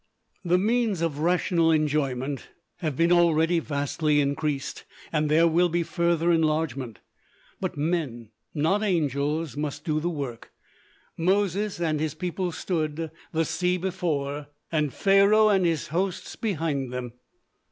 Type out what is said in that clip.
The means of rational enjoyment have been already vastly increased, and there will be further enlargement. But men, not angels, must do the work. Moses and his people stood, the sea before, and Pharaoh and his hosts behind them.